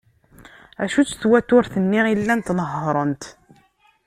Acu-tt twaturt-nni i llant nehhrent?